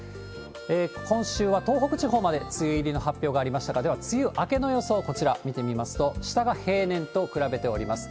今週は東北地方まで梅雨入りの発表がありましたが、では梅雨明けの予想、こちら、見てみますと、下が平年と比べております。